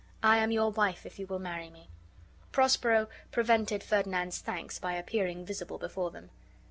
I am your wife if you will marry me." Prospero prevented Ferdinand's thanks by appearing visible before them.